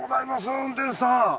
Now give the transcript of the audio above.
運転手さん。